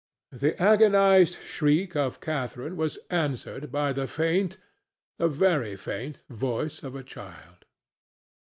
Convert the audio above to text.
The agonized shriek of Catharine was answered by the faint—the very faint—voice of a child.